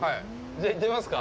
じゃあ行ってみますか。